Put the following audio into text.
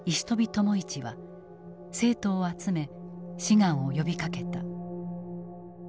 朋一は生徒を集め志願を呼びかけた。